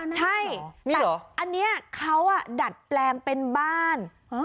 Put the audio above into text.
ใช่แต่อันนี้เขาดัดแปลงเป็นบ้าน